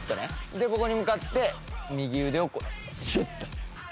でここに向かって右腕をこうシュッと。